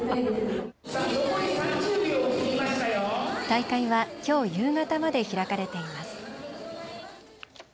大会は、きょう夕方まで開かれています。